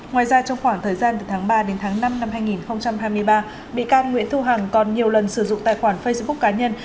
ngoài ra trong khoảng thời gian từ tháng ba đến tháng năm năm hai nghìn hai mươi ba bị can nguyễn thu hằng còn nhiều lần sử dụng tài khoản facebook cá nhân